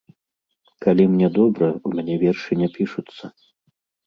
Калі мне добра, у мяне вершы не пішуцца.